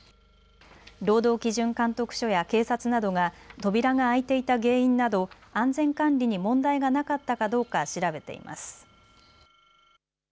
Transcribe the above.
労働基準監督署や警察などが扉が開いていた原因など安全管理に問題がなかったかどうか調べています。